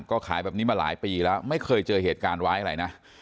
ก็ขายแบบนี้มาหลายปีแล้วไม่เคยเจอเหตุการณ์ร้ายอะไรนะ